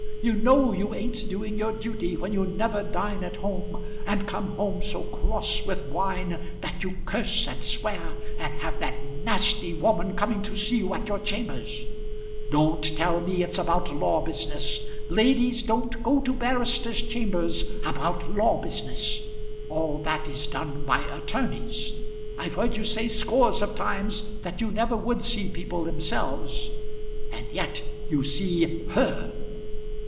You know you ain't doing your duty when you never dine at home, and come home so cross with wine that you curse and swear, and have that nasty woman coming to see you at your chambers. Don't tell me it's about law business. Ladies don't go to barristers' chambers about law business. All that is done by attorneys. I've heard you say scores of times that you never would see people themselves, and yet you see her.